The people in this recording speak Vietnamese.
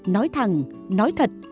nói thẳng nói thật